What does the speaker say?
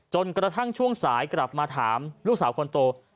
จนกระทั่งช่วงสายกลับมาถามลูกสาวคนโต